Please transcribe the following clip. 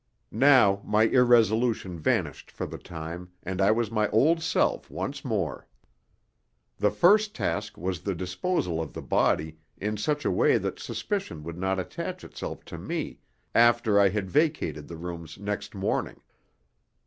Now my irresolution vanished for the time, and I was my old self once more. The first task was the disposal of the body in such a way that suspicion would not attach itself to me after I had vacated the rooms next morning.